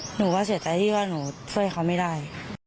หนูก็เสียใจที่ว่าหนูช่วยเขาไม่ได้